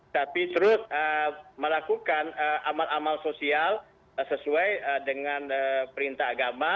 tapi terus melakukan amal amal sosial sesuai dengan perintah agama